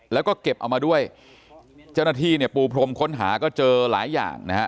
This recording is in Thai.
แล้วก็เก็บเอามาด้วยเจ้าหน้าที่เนี่ยปูพรมค้นหาก็เจอหลายอย่างนะฮะ